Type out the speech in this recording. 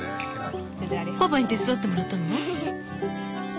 パパに手伝ってもらったの？